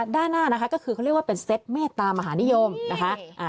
ด้านหน้านะคะก็คือเขาเรียกว่าเป็นเซตเมตตามหานิยมนะคะ